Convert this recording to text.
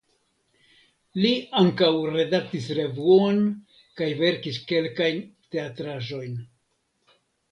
Li ankaŭ redaktis revuon kaj verkis kelkajn teatraĵojn.